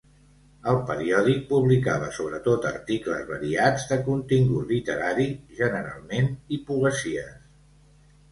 El periòdic publicava sobretot articles variats, de contingut literari generalment, i poesies.